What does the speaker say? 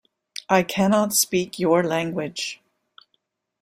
I cannot speak your language.